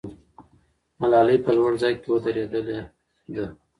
ملالۍ په لوړ ځای کې ودرېدلې ده.